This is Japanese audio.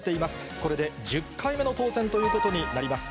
これで１０回目の当選ということになります。